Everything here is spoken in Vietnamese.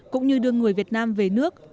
cũng như đưa người việt nam về nước